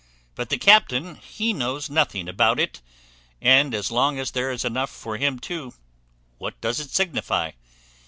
But the captain he knows nothing about it; and as long as there is enough for him too, what does it signify?